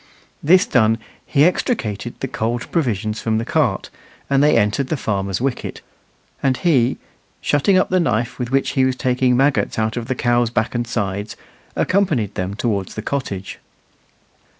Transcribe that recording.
This done, he extricated the cold provisions from the cart, and they entered the farmer's wicket; and he, shutting up the knife with which he was taking maggots out of the cow's back and sides, accompanied them towards the cottage.